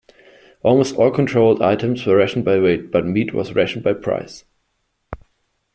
Almost all controlled items were rationed by weight but meat was rationed by price.